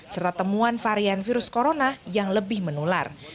serta temuan varian virus corona yang lebih menular